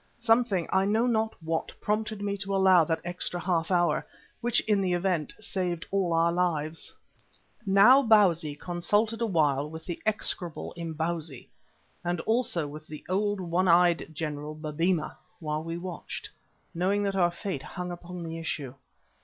Something, I know not what, prompted me to allow that extra half hour, which in the event, saved all our lives. Now Bausi consulted a while with the execrable Imbozwi and also with the old one eyed General Babemba while we watched, knowing that our fate hung upon the issue.